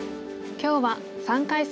今日は３回戦